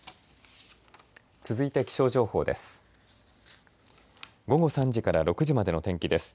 続いて気象情報です。